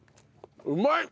うまい！